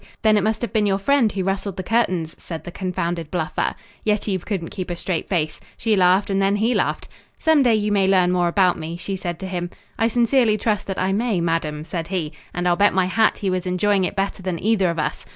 'Then it must have been your friend who rustled the curtains?' said the confounded bluffer. Yetive couldn't keep a straight face. She laughed and then he laughed. 'Some day you may learn more about me,' she said to him. 'I sincerely trust that I may, madam,' said he, and I'll bet my hat he was enjoying it better than either of us.